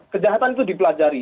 kejahatan itu dipelajari